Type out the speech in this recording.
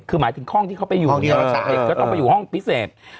คือหมายถึงห้องที่เขาไปอยู่เนี่ยเด็กก็ต้องไปอยู่ห้องพิเศษ